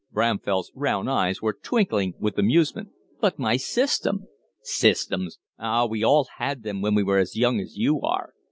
Bramfell's round eyes were twinkling with amusement. "But my system " "Systems! Ah, we all had them when we were as young as you are!"